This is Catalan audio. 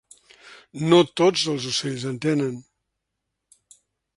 No tots els ocells en tenen.